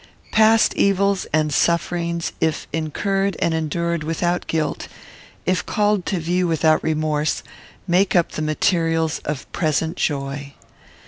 Past evils and sufferings, if incurred and endured without guilt, if called to view without remorse, make up the materials of present joy.